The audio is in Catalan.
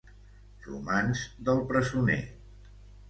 Romanç del presoner.